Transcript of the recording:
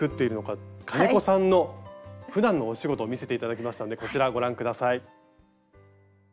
金子さんのふだんのお仕事を見せて頂きましたのでこちらご覧下さい。